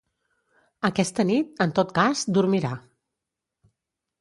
Aquesta nit, en tot cas, dormirà.